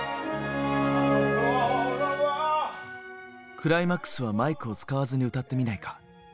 クライマックスはマイクを使わずに歌ってみないか？